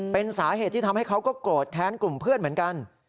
เป็นสาเหตุที่ทำให้เขาก็โกรธแค้นกลุ่มเพื่อนเหมือนกัน